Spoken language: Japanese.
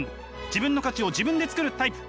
自分の価値を自分で作るタイプ。